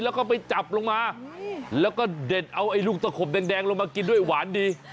แล้วก็ไปจับลงมาแล้วก็เด็ดเอาไอ้ลูกตะขบแดงลงมากินด้วยหวานดี